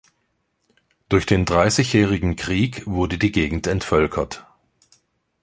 Durch den Dreißigjährigen Krieg wurde die Gegend entvölkert.